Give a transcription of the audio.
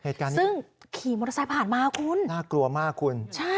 ซึ่งขี่มอเตอร์ไซค์ผ่านมาคุณน่ากลัวมากคุณ